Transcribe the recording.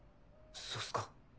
そうっすか。